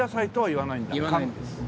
言わないんです。